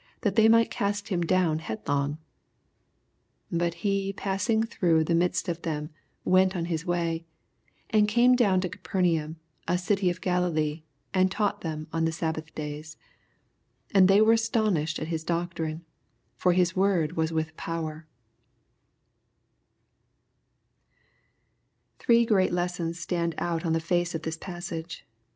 that they might eaat hhn down 80 Bat he paaun^ throngfa the midat of them went hia way, SI And came down to Gapemanm, ft eily of Chdilee, and tanght them on the aahbaih daya. 88 And they^ were astoniahed at hia doetrine: fiir hia word waa with power. Thbke great lessons stand oat on the face of this passage.